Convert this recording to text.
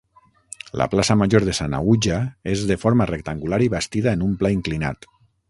La plaça Major de Sanaüja és de forma rectangular i bastida en un pla inclinat.